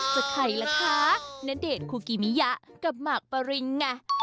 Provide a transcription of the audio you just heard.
ใครล่ะคะณเดชน์คูกิมิยะกับหมากปรินไง